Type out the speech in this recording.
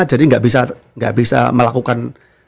jadi gak bisa melakukan